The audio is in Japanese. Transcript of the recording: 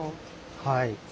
はい。